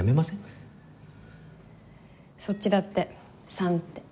そっちだって「さん」って。